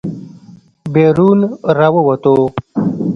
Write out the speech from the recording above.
بېرون راووتو.